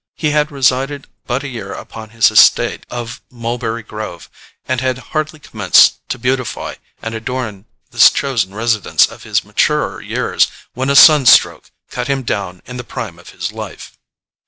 He had resided but a year upon his estate of Mulberry Grove, and had hardly commenced to beautify and adorn this chosen residence of his maturer years, when a sun stroke cut him down in the prime of his life.